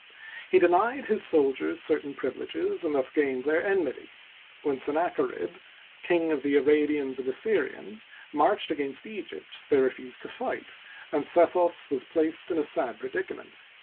He denied his soldiers certain privileges and thus gained their enmity. When Sanacherib, *'king of the Arabians and Assyrians," marched against Egypt, they refused to fight, and Sethos was placed in a sad predicament.